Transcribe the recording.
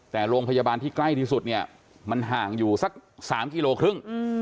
แต่โรงพยาบาลที่ใกล้ที่สุดเนี่ยมันห่างอยู่สัก๓กิโลครึ่ง